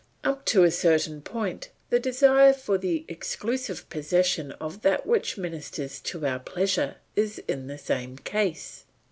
Up to a certain point the desire for the exclusive possession of that which ministers to our pleasure is in the same case.